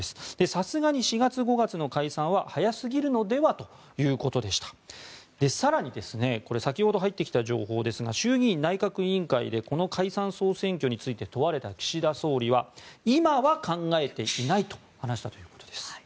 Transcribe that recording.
さすがに４月、５月の解散は早すぎるのではということでした更に、これ先ほど入ってきた情報ですが衆議院内閣委員会でこの解散・総選挙について問われた岸田総理は今は考えていないと話したということです。